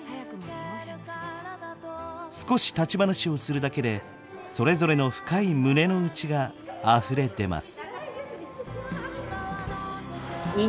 少し立ち話をするだけでそれぞれの深い胸のうちがあふれ出ます。